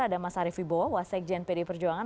ada mas arief ibo wasek jnpd perjuangan